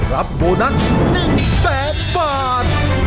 รับโบนัส๑๐๐บาท